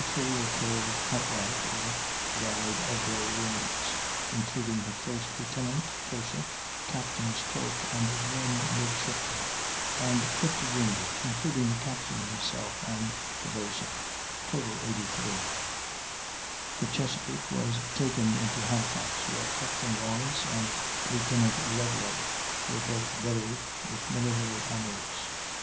Naval Academy Museum)] Of the Shannon's men, 33 were killed outright or died of their wounds, including her first lieutenant, purser, captain's clerk, and one midshipman, and 50 wounded, including the captain himself and the boatswain; total, 83. The Chesapeake was taken into Halifax, where Captain Lawrence and Lieutenant Ludlow were both buried with military honors.